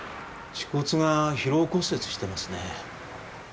恥骨が疲労骨折してますね。